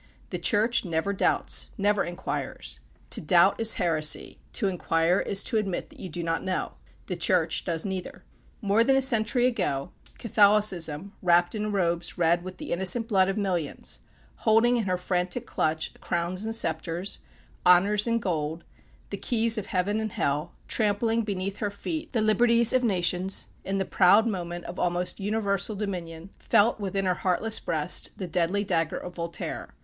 The Church never doubts never inquires. To doubt is heresy to inquire is to admit that you do not know the Church does neither. More than a century ago Catholicism, wrapped in robes red with the innocent blood of millions, holding in her frantic clutch crowns and sceptres, honors and gold, the keys of heaven and hell, trampling beneath her feet the liberties of nations, in the proud moment of almost universal dominion, felt within her heartless breast the deadly dagger of Voltaire.